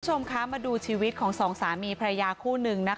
คุณผู้ชมคะมาดูชีวิตของสองสามีพระยาคู่หนึ่งนะคะ